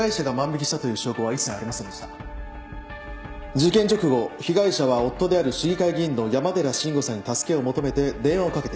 事件直後被害者は夫である市議会議員の山寺信吾さんに助けを求めて電話をかけている。